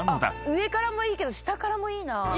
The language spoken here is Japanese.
上からもいいけど下からもいいな。